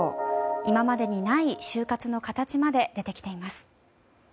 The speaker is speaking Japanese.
今までにない就活の形まで出てきています。